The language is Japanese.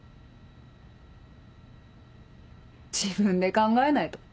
自分で考えないと。